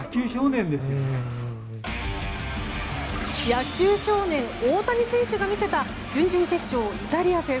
野球少年、大谷選手が見せた準々決勝イタリア戦。